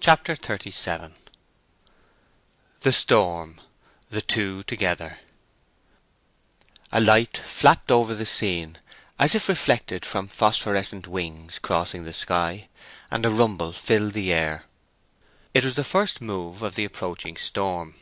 CHAPTER XXXVII THE STORM—THE TWO TOGETHER A light flapped over the scene, as if reflected from phosphorescent wings crossing the sky, and a rumble filled the air. It was the first move of the approaching storm.